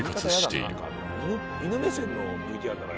犬目線のＶＴＲだなあ。